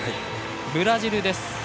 ブラジルです。